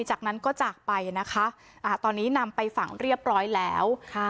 จากนั้นก็จากไปนะคะอ่าตอนนี้นำไปฝังเรียบร้อยแล้วค่ะ